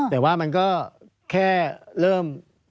แต่ว่ามันก็แค่เริ่ม